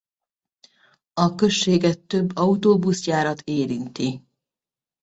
A községet több autóbuszjárat érinti.